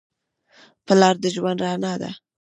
پلار د ژوند رڼا ده.